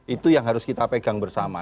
itu yang harus kita pegang bersama